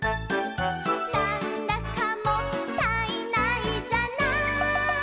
「なんだかもったいないじゃない」